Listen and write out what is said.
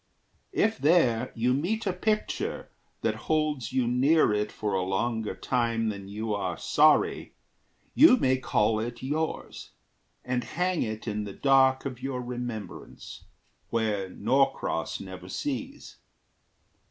If there you meet a picture That holds you near it for a longer time Than you are sorry, you may call it yours, And hang it in the dark of your remembrance, Where Norcross never sees.